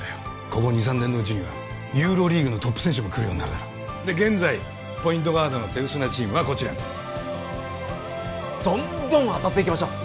ここ２３年のうちにはユーロリーグのトップ選手も来るようになるだろうで現在ポイントガードの手薄なチームはこちらどんどんあたっていきましょう！